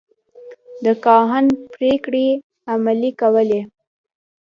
د کاهن پرېکړې عملي کولې.